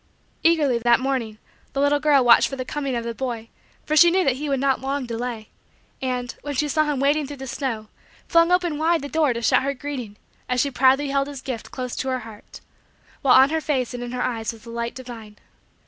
Eagerly, that morning, the little girl watched for the coming of the boy for she knew that he would not long delay; and, when she saw him wading through the snow, flung open wide the door to shout her greeting as she proudly held his gift close to her heart; while on her face and in her eyes was the light divine.